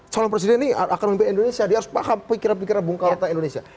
calon presiden ini akan memimpin indonesia dia harus paham pikiran pikiran bung karno indonesia